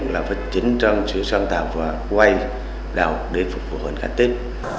là phải chính trong sự sân tạo và quay đảo để phục vụ hành khách tết